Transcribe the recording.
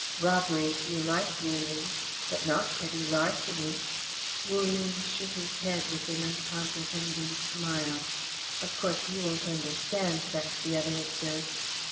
Robbery, if you like, Wu Ling, but not petty larceny." Wu Ling shook his head with an uncomprehending smile. "Of course you won't understand that," the other observed.